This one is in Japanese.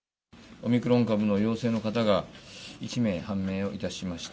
オミクロン株の陽性の方が１名判明をいたしました。